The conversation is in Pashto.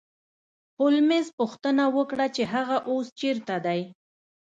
هولمز پوښتنه وکړه چې هغه اوس چیرته دی